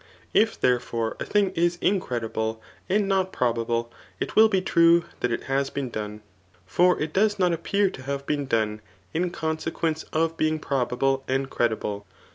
Ify therefore, a thing is incredible, and not probable, it will be true that it has been done;' for it does not appear to have been done, in consequence of being probable and credible.